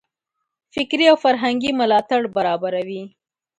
فکري او فرهنګي ملاتړ برابروي.